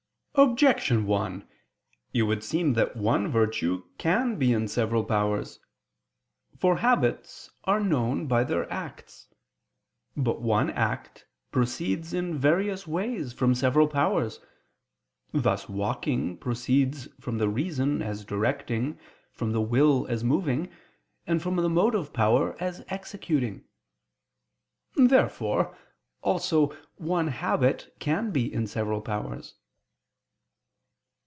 Objection 1: It would seem that one virtue can be in several powers. For habits are known by their acts. But one act proceeds in various way from several powers: thus walking proceeds from the reason as directing, from the will as moving, and from the motive power as executing. Therefore also one habit can be in several powers.